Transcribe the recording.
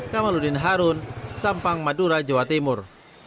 kamaludin harun sampang madura jawa timur